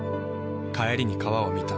帰りに川を見た。